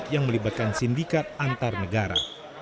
yang melibatkan sindikat antar negara